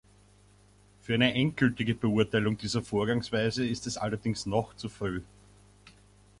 Für eine endgültige Beurteilung dieser Vorgehensweise ist es allerdings noch zu früh.